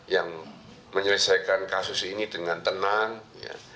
yang menyelesaikan kasus ini dengan tenang ya